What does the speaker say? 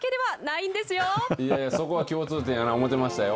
いやいや、そこは共通点やなっておもてましたよ。